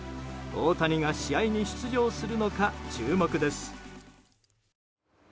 大谷が試合に出場するのか注目です。